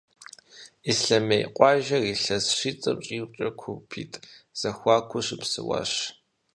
Ислъэмей къуажэр илъэс щитӏым щӏигъукӏэ Курпитӏ зэхуаку щыпсэуащ.